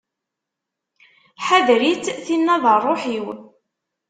Ḥader-itt, tinna d rruḥ-iw.